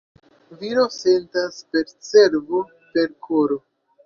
Viro sentas per cerbo, per koro.